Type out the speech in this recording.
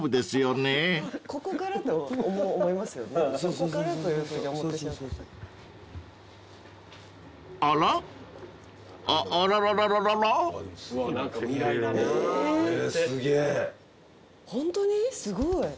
すごい。